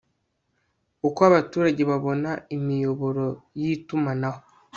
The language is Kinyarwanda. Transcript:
uko abaturage babona imiyoboro y'itumanaho